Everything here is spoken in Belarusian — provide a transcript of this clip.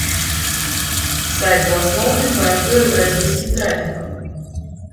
Сайт у асноўным працуе з расійскім трафікам.